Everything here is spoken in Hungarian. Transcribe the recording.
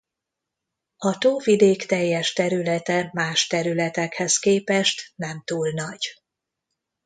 A tóvidék teljes területe más területekhez képest nem túl nagy.